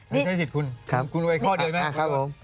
ฉันใช้สิทธิ์คุณคุณรู้ไหมอีกข้อเดี๋ยวนะครับ